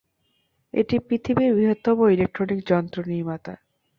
এটি পৃথিবীর বৃহত্তম ইলেকট্রনিক যন্ত্র নির্মাতা।